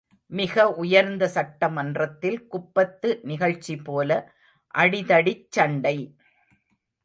மிக உயர்ந்த சட்டமன்றத்தில் குப்பத்து நிகழ்ச்சிபோல அடிதடிச்சண்டை!